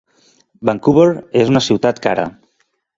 Vancouver és una ciutat cara.